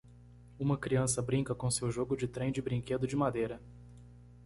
Uma criança brinca com seu jogo de trem de brinquedo de madeira.